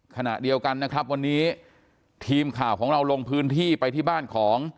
ขณะเดียวกันนะครับวันนี้ทีมข่าวของเราลงพื้นที่ไปที่บ้านของ